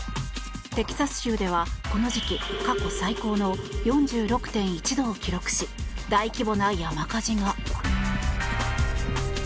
テキサス州ではこの時期、過去最高の４６．１度を記録し大規模な山火事が。